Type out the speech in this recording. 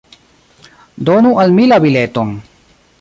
Donu al mi la bileton.